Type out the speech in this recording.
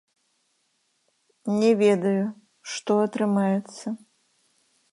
Не ведаю, што атрымаецца.